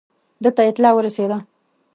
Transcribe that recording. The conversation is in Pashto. ده ته اطلاع ورسېده.